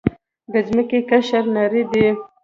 د ځمکې قشر نری دی.